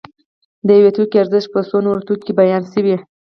د یو توکي ارزښت په څو نورو توکو کې بیان شوی